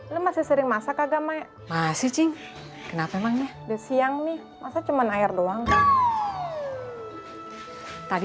lo masih sering masa kagak masih cing kenapa emangnya siang nih masa cuman air doang tadi